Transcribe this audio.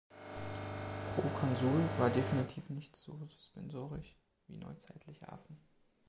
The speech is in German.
„Proconsul“ war definitiv nicht so suspensorisch wie neuzeitliche Affen.